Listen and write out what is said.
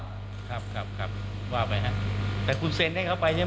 ส่วนอีกเรื่องหนึ่งที่หลายคนสงสัยว่าจะมีนายจตุการณ์นี้หรือเปล่า